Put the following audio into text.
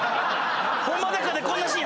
『ホンマでっか⁉』でこんなシーン！